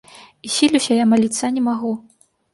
І сілюся я маліцца, а не магу.